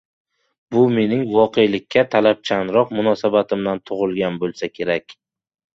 Bu mening voqelikka talabchanroq munosabatimdan tug‘ilgan bo‘lsa kerak.